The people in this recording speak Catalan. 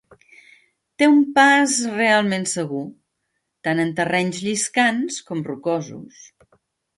Té un pas realment segur tant en terrenys lliscants com rocosos.